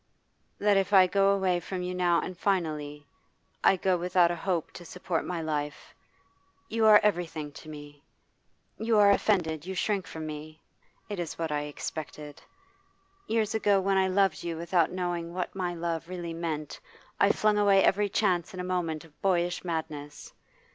'That if I go away from you now and finally, I go without a hope to support my life. You are everything to me. You are offended; you shrink from me. It is what I expected. Years ago, when I loved you without knowing what my love really meant, I flung away every chance in a moment of boyish madness.